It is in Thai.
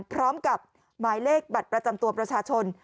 พร้อมกับหมายเลขบัตรประจำตัวประชาชน